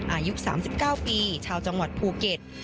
อายุ๓๙ปีชาวจังหวัดภูเก็ต